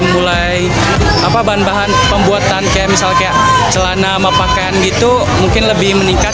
mulai bahan bahan pembuatan kayak misalnya kayak celana sama pakaian gitu mungkin lebih meningkat